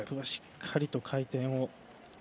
しっかりと回転を。